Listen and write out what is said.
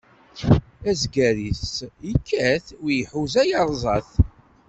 Azger-is ikkat, wi iḥuza iṛẓa-t.